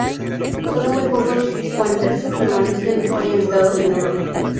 Sólo muy pocos puentes permanecen hoy habitados en Europa.